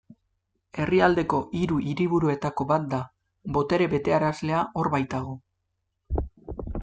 Herrialdeko hiru hiriburuetako bat da, botere betearazlea hor baitago.